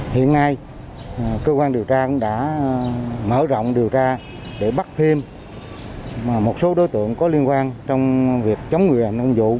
hiện nay cơ quan điều tra cũng đã mở rộng điều tra để bắt thêm một số đối tượng có liên quan trong việc chống người làm công vụ